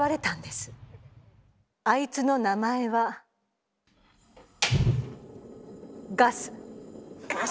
あいつの名前はガス。